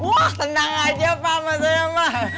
wah tenang aja pak masa masa